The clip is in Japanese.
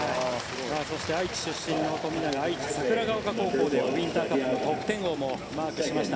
そして、愛知出身の富永愛知の桜丘高校でウインターカップでは得点王もマークしました。